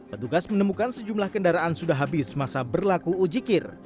petugas menemukan sejumlah kendaraan sudah habis masa berlaku ujikir